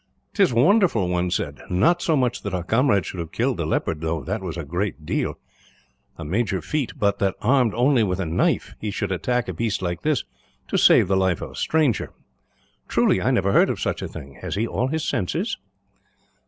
"'Tis wonderful," one said, "not so much that our new comrade should have killed the leopard, though that was a great feat; but that, armed only with a knife, he should attack a beast like this, to save the life of a stranger. Truly I never heard of such a thing. Has he all his senses?"